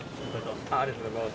ありがとうございます。